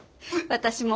私も。